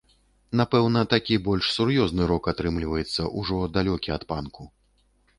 Напэўна, такі больш сур'ёзны рок атрымліваецца, ужо далёкі ад панку.